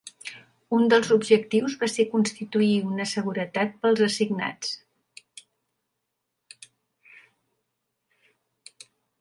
Un dels objectius va ser constituir una seguretat per als assignats.